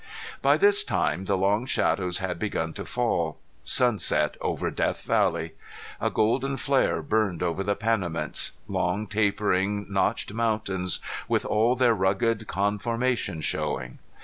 By this time the long shadows had begun to fall. Sunset over Death Valley! A golden flare burned over the Panamints long tapering notched mountains with all their rugged conformation showing.